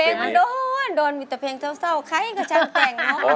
เพลงนั้นโดดโดดมีเกิดเพลงเศ่าใครก็ชาวแกร่งเนอะ